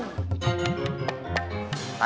tempat saya jual